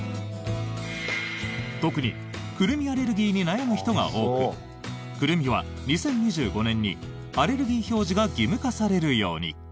特にクルミアレルギーに悩む人が多くクルミは、２０２５年にアレルギー表示が義務化されるように。